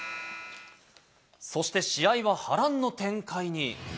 そして、試合は波乱の展開に。